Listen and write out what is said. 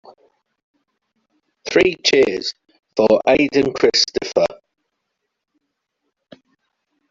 Three cheers for Aden Christopher.